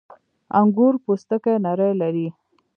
• انګور پوستکی نری لري.